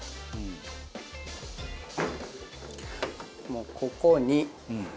もうここに。